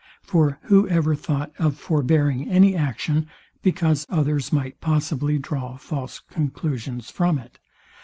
For, who ever thought of forbearing any action, because others might possibly draw false conclusions from it?